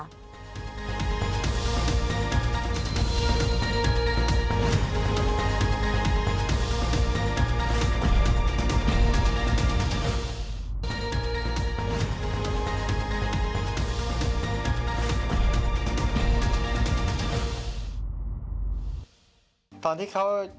ดูวิทยาลัยอัศวินสถานณะสนไมคคี่